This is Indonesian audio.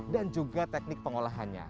dan juga teknik pengolahannya